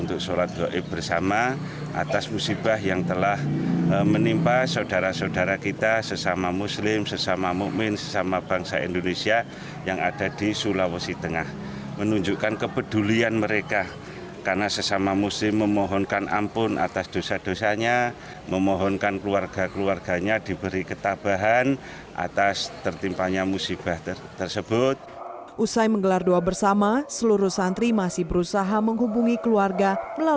usai menggelar doa bersama seluruh santri masih berusaha menghubungi keluarga melalui penghubungan